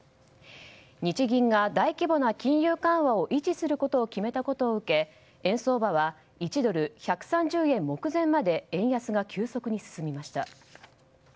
日銀が大規模な金融緩和を維持することを決めたことを受け円相場は１ドル＝１３０円目前まで円安が急速に進みました。